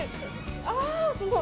あー、すごい。